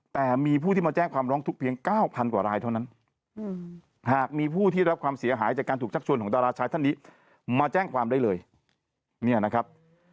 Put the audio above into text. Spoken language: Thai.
แต่มีผู้ที่มาแจ้งความร้องทุกข์เพียง๙๐๐๐กว่ารายเท่านั้น